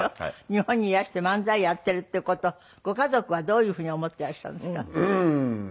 日本にいらして漫才やっているっていう事ご家族はどういうふうに思っていらっしゃるんですか？